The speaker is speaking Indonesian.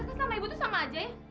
terus sama ibu tuh sama aja ya